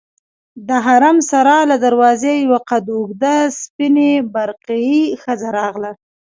د حرم سرا له دروازې یوه قد اوږده سپینې برقعې ښځه راغله.